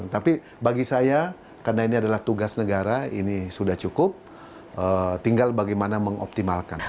tapi bagi saya karena ini adalah tugas negara ini sudah cukup tinggal bagaimana mengoptimalkan